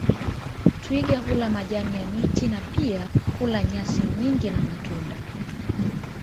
Twiga hula majani ya miti na pia hula nyasi nyingi na matunda